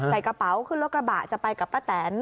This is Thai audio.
ใส่กระเป๋าขึ้นรถกระบะจะไปกับป้าแตน